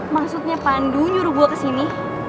maksudnya pandu nyuruh gue kesini